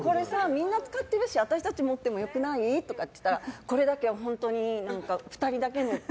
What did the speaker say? みんな使ってるし私たち持ってもよくない？って言ったらこれだけは本当に２人だけのって。